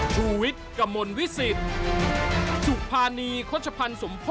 ชุวิตตีแสงหน้า